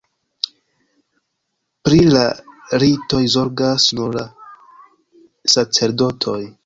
Pri la ritoj zorgas nur la sacerdotoj.